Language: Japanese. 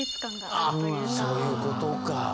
あっそういうことか。